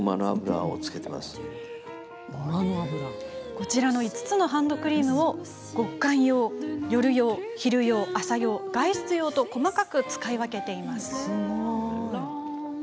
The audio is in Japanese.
こちらの５つのハンドクリームを極寒用、夜用、昼用、朝用外出用と細かく使い分けているんです。